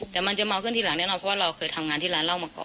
แต่มันจะเมาขึ้นทีหลังแน่นอนเพราะว่าเราเคยทำงานที่ร้านเหล้ามาก่อน